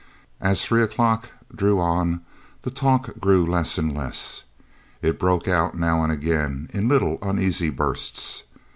As three o'clock drew on the talk grew less and less. It broke out now and again in little uneasy bursts.